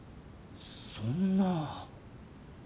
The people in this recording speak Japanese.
そんな。